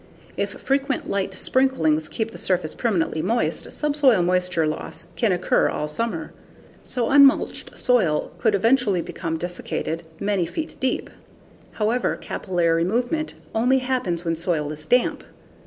If frequent light sprinkling keeps the surface perpetually moist, subsoil moisture loss can occur all summer, so unmulched soil could eventually become desiccated many feet deep. However, capillary movement only happens when soil is damp.